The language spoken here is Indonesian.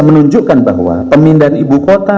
menunjukkan bahwa pemindahan ibu kota